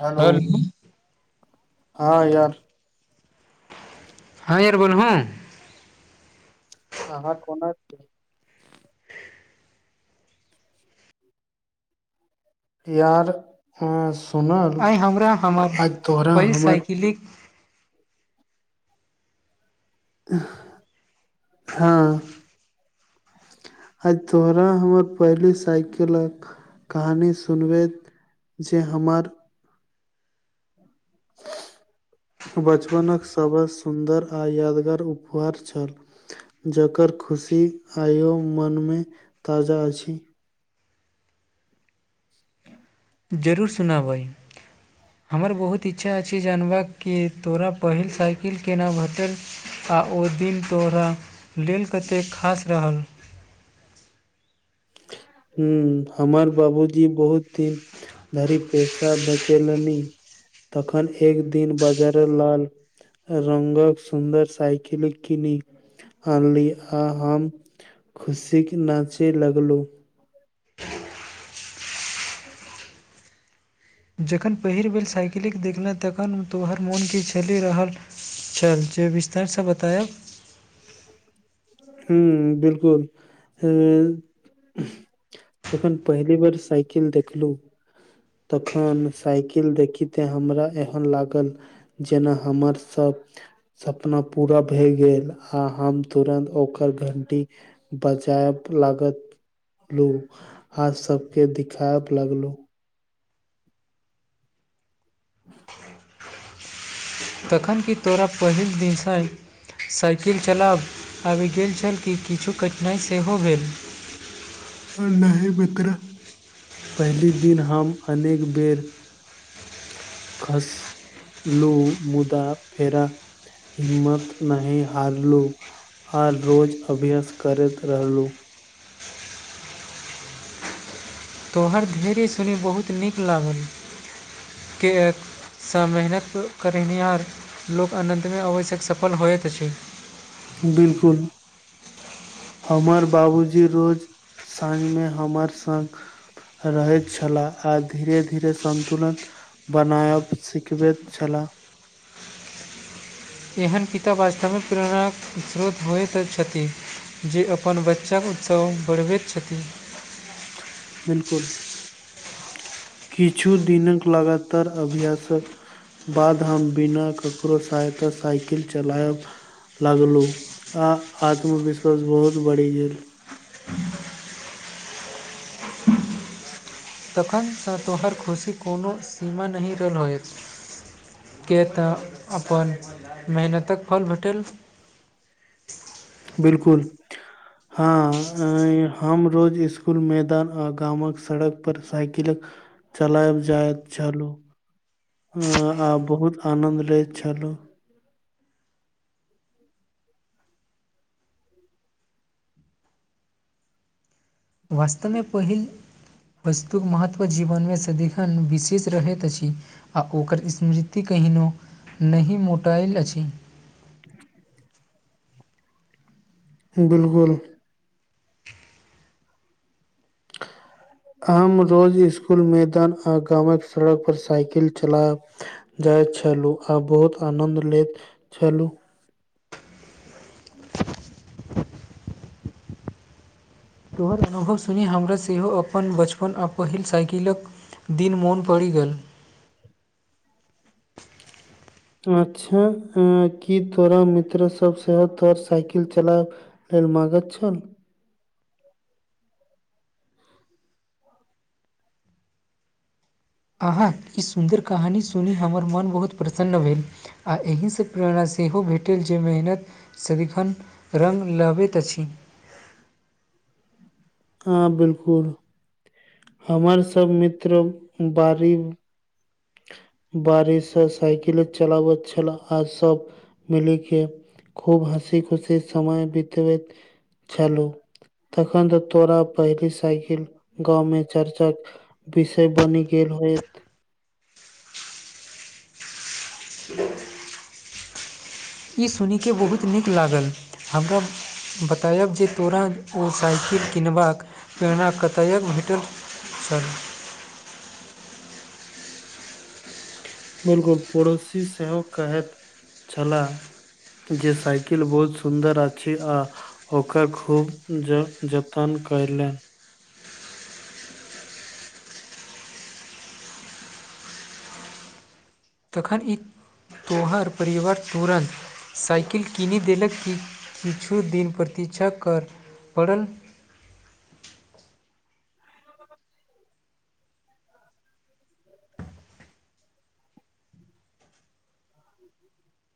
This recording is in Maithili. हेलो हँ हँ यार बोलहुू। आर कोन छै यार सुनल आइ तोहरा हम कलिक हँ आइ तोहरा हमर पहिले साइकिलक कहानी सुनबैत जे हमर बचपनक सभसँ सुन्दर आ यादगार उपहार छल जकर खुशी आइयो मनमे ताजा अछि ह [inaudible] जरूर सुनाबै हमर बहुत इच्छा अछि जानबाक कि तोरा पहिल साइकिल केना भेटल आ ओ दिन तोरा लेल कतेक खास रहल हू हमर बाबूजी बहुत दिन धरि पैेशा बेचेलनि तखन एक दिन बजार लाल रंगक सुन्दर साइकिल किनी आनली आ हम खुशीे नाचे लगलो हूँ [inaudible] [inaudible] जखन पहिल भेल साइकिलेके देखलकँ तखन तोहर मोनके छले रहल चल जे विस्तार सेबतायब ह बिलकुल तपहिली बेार सइकेेल देखलहु तखन साइकिल देखी ते हमरा एहन लागल जेना हमरसभ सपना पूरा भए गेल आ हम तुरन्त ओक घंटी बचायतलागत लू आर सबके दिायब लगलु [inaudible] तखन कि तोरा पहिल दिदेखल साइकिल चलाब आबि गेल छल कि किछु कठिनाइ सेहो भेल नहि मित्र पहिल दिन हम अनेक बेर खस लू मुदा फेरा हिम्मत नी हारलु आ रोज अभ्यास करैत रहलु तोहर धैर्य सुनैमे बहुत नीक लागल कियक सँ मेहनत करनिहार लोक अनतमे आवैछै सफल होयकछै बिलकुल हमर बाबूजी रोज साँझमे हमर स्ग रहैत छलाह आ धीरे धीरे सन्तुलन बनायब सिखबैत छलाह एहन पिता वास्तविक प्रेरणाक स्रोत होइत छथि जे अपन बच्चाक उत्सव बढ़बैत छथिन बिलकुल किछु दििनक लगातार अभ्यासक बाद हम बिना ककरो सहायता साइकिल चलायब लगलु आ आत्मविश्वास बहुत बढ़ि गेल तखनसँ तोहर खुशी कोनो सीमा नहि रहल होत किक तऽ अपन मेहनतक फल भेटल बिलकुल हँ हम रोज सकुल मैदान आ गामक सड़कपर साइकिलक कैल आईबी जाइब चलुछलु आ बहुत आनन्द लैत छलु वास्तमे पहिल वस्तु महत्व जीवनमे सदिखन विशेष रहैत अछि आ ओकर स्मृति कहिनो नहि मोटायल अछि [inaudible] बिलकुल [inaudible] हम रोज स्कुल मैदान आ गामक सड़क पर साइकिल चलैब जाइत छलु आ बहुत आन्नंद लैत छलु तोहर अनुभव सुनी हमरा सेहो अपन बचपन आ पहिल साइकिलक दिन मोन पड़ि गेल त अच्छा ह की तोरो मित्र सब सेहो तोर साइकिल चलाउ ह म ग छ अहाँ ई सुन्दर कहानी सुनी हमर मोन बहुत प्रसन्न भेल आ एही स प्रेरणा सेहो भेटल जे मेहनत सदिखन रंग लबैत अछि हँ बिलकुल हमर सब मित्र बारी बारिशसँ साइकिल चलाबैत छल आ सब मिली के खूब हसी खुशी समय बितबैत छलू तखन तऽ तोरा पहिली साइकिल गाँव मे चर्चक विषय बनी गेल होयत [inaudible] ई सुनी के बहुत नीक लागल हमरा बतायब जे तोरा ओ साइकिल किनबाक प्रेरणा कतय भेटत छा बिल्कुल पड़ोसी सेहो कहैत छला जे साइकिल बहुत सुन्दर अछि आ ओकर खूब ज जतन कयलनि तखन ई तोहर परिवर तुरन साइकिल कीनि देलक कि किछु दिन प्रतीक्षा करय पड़ल